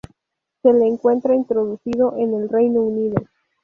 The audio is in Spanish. Se le encuentra introducido en el Reino Unido.